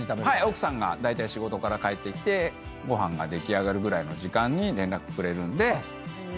奥さんが仕事から帰ってきてご飯が出来上がるぐらいの時間に連絡くれるんで上の階に。